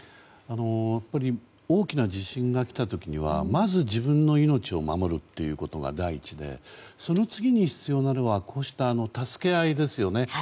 やっぱり大きな地震が来た時にはまず自分の命を守るということが第一で、その次に必要なのはこうした助け合いですよね。